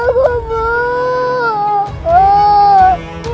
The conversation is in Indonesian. ibu tolong aku bu